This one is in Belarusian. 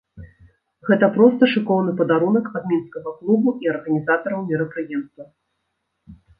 Гэта проста шыкоўны падарунак ад мінскага клубу і арганізатараў мерапрыемства.